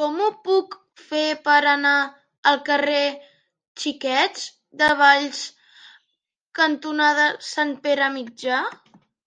Com ho puc fer per anar al carrer Xiquets de Valls cantonada Sant Pere Mitjà?